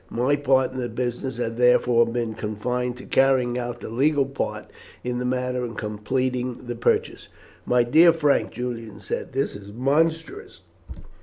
My part in the business has therefore been confined to carrying out the legal part in the matter and completing the purchase." "My dear Frank," Julian said, "this is monstrous."